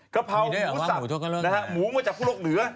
กะเพราหมูสับหมูเนื้อจากคั่วโลกเหนื้อ